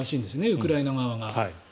ウクライナ側が。